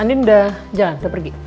andin udah jalan udah pergi